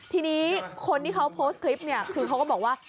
ทีนี้คนที่เขาโพสต์คลิปเนี่ยคือเขาก็บอกว่า